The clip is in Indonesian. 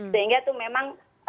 sehingga itu memang